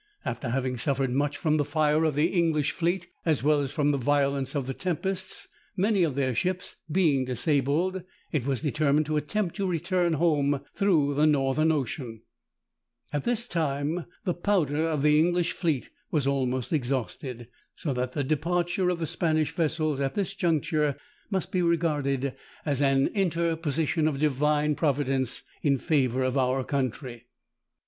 After having suffered much from the fire of the English fleet, as well as from the violence of the tempests, many of their ships being disabled, it was determined to attempt to return home through the Northern Ocean. At this time the powder of the English fleet was almost exhausted; so that the departure of the Spanish vessels, at this juncture, must be regarded as an interposition of divine providence in favour of our country.